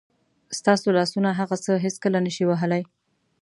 ستاسو لاسونه هغه څه هېڅکله نه شي وهلی.